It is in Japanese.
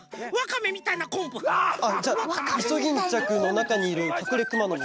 じゃあイソギンチャクのなかにいるカクレクマノミ。